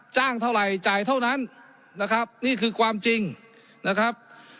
เท่าไหร่จ่ายเท่านั้นนะครับนี่คือความจริงนะครับ